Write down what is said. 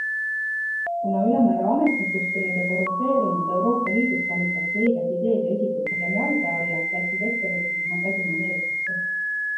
Kuna ülemäära ametnikustunud ja korrumpeerunud Euroopa Liidus tallatakse õiged ideed ja isikud pigem jalge alla, läksid ettevõtlikumad Ladina-Ameerikasse.